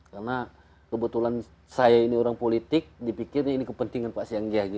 karena kebetulan saya ini orang politik dipikir ini kepentingan pak sianggeh